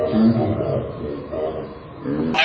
สีชามารค์